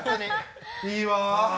いいわ！